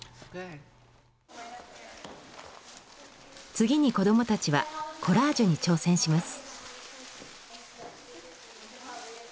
次に子どもたちはコラージュに挑戦します。